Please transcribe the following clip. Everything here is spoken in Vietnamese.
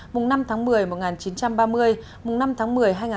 mùng năm tháng một mươi một nghìn chín trăm ba mươi mùng năm tháng một mươi hai nghìn hai mươi